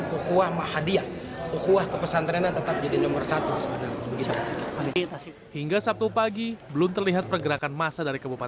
dan kekuah mahadia kekuah kepesantrenan tetap jadi nomor satu